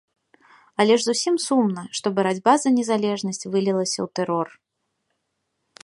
Але ж зусім сумна, што барацьба за незалежнасць вылілася ў тэрор.